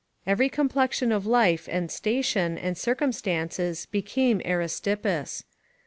["Every complexion of life, and station, and circumstance became Aristippus."